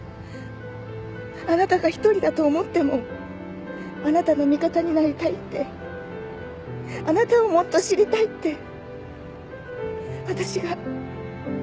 あなたが独りだと思ってもあなたの味方になりたいってあなたをもっと知りたいって私が。